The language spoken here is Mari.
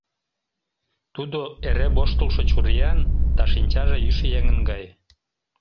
Тудо эре воштылшо чуриян да шинчаже йӱшӧ еҥын гай...